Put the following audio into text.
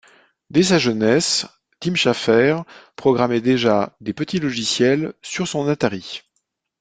Dès sa jeunesse, Tim Schafer programmait déjà des petits logiciels sur son Atari.